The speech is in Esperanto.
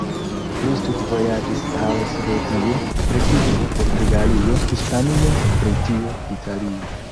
Li studvojaĝis al Svedio, Grekio, Portugalio, Hispanio, Britio, Italio.